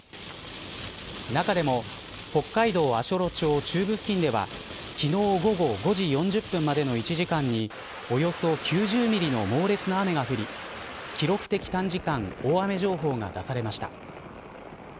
中でも北海道足寄町中部付近では昨日午後５時４０分までの１時間におよそ９０ミリの猛烈な雨が降り記録的短時間大雨情報が出されました。